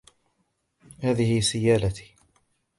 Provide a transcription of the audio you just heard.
هذه سيالتي.